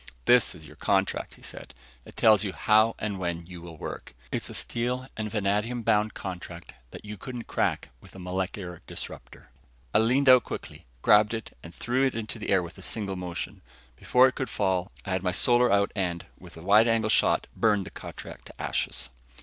"This is your contract," he said. "It tells how and when you will work. A steel and vanadium bound contract that you couldn't crack with a molecular disruptor." I leaned out quickly, grabbed it and threw it into the air with a single motion. Before it could fall, I had my Solar out and, with a wide angle shot, burned the contract to ashes.